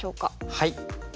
はい。